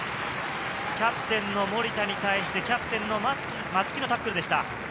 キャプテンの森田に対して、キャプテンの松木のタックルでした。